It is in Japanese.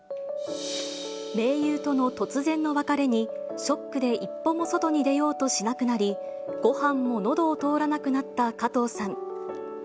盟友との突然の別れに、ショックで一歩も外に出ようとしなくなり、ごはんものどを通らなくなった加藤さん。